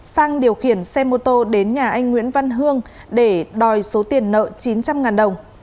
sang điều khiển xe mô tô đến nhà anh nguyễn văn hương để đòi số tiền nợ chín trăm linh đồng